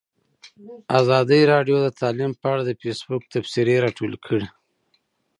ازادي راډیو د تعلیم په اړه د فیسبوک تبصرې راټولې کړي.